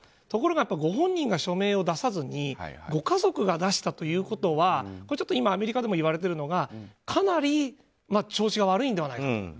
ところが、ご本人が署名を出さずにご家族が出したというのはちょっと今、アメリカでも言われているのがかなり調子が悪いのではないか。